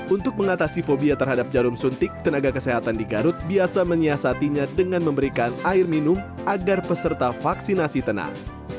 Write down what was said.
untuk mengatasi fobia terhadap jarum suntik tenaga kesehatan di garut biasa menyiasatinya dengan memberikan air minum agar peserta vaksinasi tenang